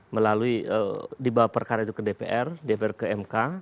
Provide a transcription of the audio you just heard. melalui dibawa perkara itu ke dpr dpr ke mk